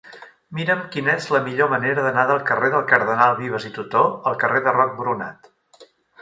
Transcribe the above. Mira'm quina és la millor manera d'anar del carrer del Cardenal Vives i Tutó al carrer de Roc Boronat.